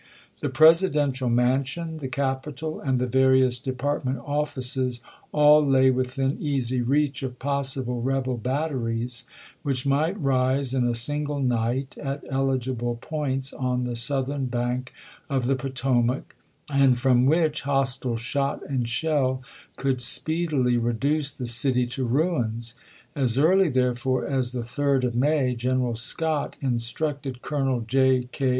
The Presidential Mansion, the Cap itol, and the various Department offices all lay within easy reach of possible rebel batteries which might rise in a single night at eligible points on the southern bank of the Potomac, and from which hostile shot and shell could speedily reduce the city to ruins. As early, therefore, as the 3d of 1861. May, Greneral Scott instructed Colonel J.